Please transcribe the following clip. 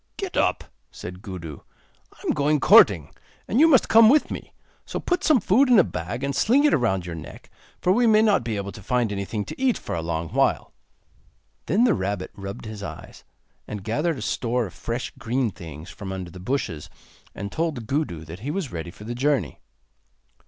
'Get up,' said Gudu; 'I am going courting, and you must come with me. So put some food in a bag, and sling it round your neck, for we may not be able to find anything to eat for a long while.' Then the rabbit rubbed his eyes, and gathered a store of fresh green things from under the bushes, and told Gudu that he was ready for the journey.